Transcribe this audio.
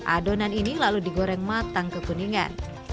adonan ini lalu digoreng matang kekuningan